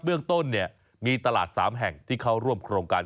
เรื่องต้นมีตลาด๓แห่งที่เข้าร่วมโครงการ